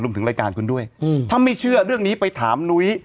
ถึงรายการคุณด้วยถ้าไม่เชื่อเรื่องนี้ไปถามนุ้ย